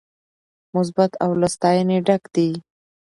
مثبت او له ستاينې ډک دي